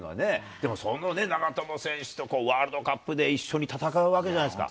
でもその長友選手とワールドカップで一緒に戦うわけじゃないですか。